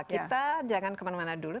kita jangan kemana mana dulu